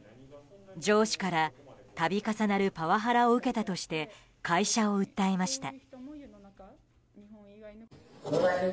上司から度重なるパワハラを受けたとして会社を訴えました。